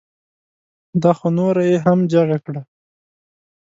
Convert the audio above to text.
دا خو نوره یې هم جگه کړه.